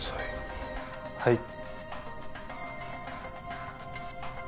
はい。